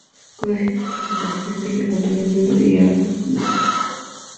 Conocida por su asociación con Telemundo y Argos Comunicación.